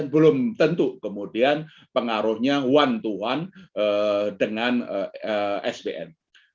belum tentu kemudian pengaruhnya one to one dengan sbn